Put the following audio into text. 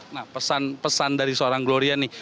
nah pesan pesan dari seorang gloria nih